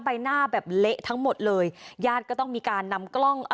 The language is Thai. ใบหน้าแบบเละทั้งหมดเลยญาติก็ต้องมีการนำกล้อง